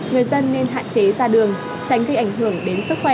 người dân nên hạn chế ra đường tránh gây ảnh hưởng đến sức khỏe